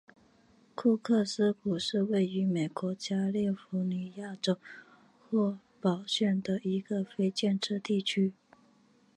库克斯谷是位于美国加利福尼亚州洪堡县的一个非建制地区。